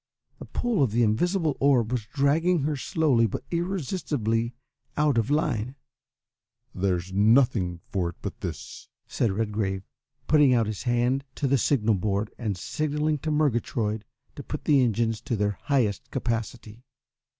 The pull of the invisible orb was dragging her slowly but irresistibly out of her line. "There's nothing for it but this," said Redgrave, putting out his hand to the signal board, and signalling to Murgatroyd to put the engines to their highest capacity.